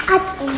biar sehat oma